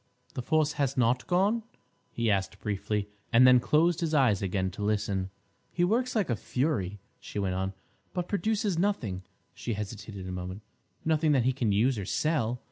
The force has not gone?" he asked briefly, and then closed his eyes again to listen. "He works like a fury," she went on, "but produces nothing"—she hesitated a moment—"nothing that he can use or sell.